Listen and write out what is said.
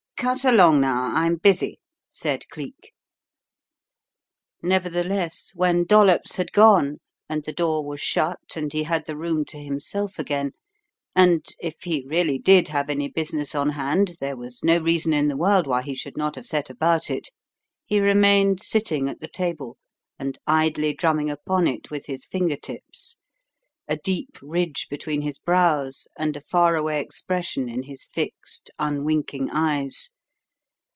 Cut along, now; I'm busy!" said Cleek. Nevertheless, when Dollops had gone and the door was shut and he had the room to himself again, and, if he really did have any business on hand, there was no reason in the world why he should not have set about it, he remained sitting at the table and idly drumming upon it with his finger tips, a deep ridge between his brows and a far away expression in his fixed, unwinking eyes.